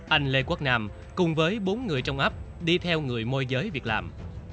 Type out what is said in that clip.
anh lê quốc nam cùng với bốn người trong ấp đi theo người môi giới việc làm